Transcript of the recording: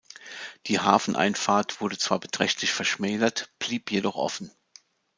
Die Hafeneinfahrt wurde zwar beträchtlich verschmälert, blieb jedoch offen.